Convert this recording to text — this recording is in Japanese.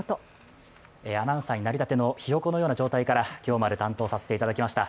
アナウンサーになりたてのひよこのような状態から今日まで担当させていいただきました。